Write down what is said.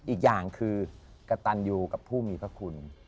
อีกอย่างคือกระตันยูกับผู้มีพระคุณ